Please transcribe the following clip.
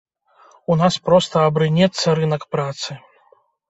У нас проста абрынецца рынак працы.